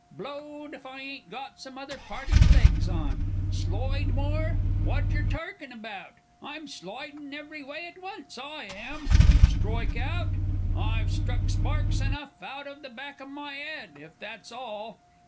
Blowed if I ain't got some other party's legs on!... Sloide more? Whadjer torking about! I'm sloidin' every way at once, I am!... Stroike out? I've struck sparks enough out of the back o' my 'ed, if that's all!...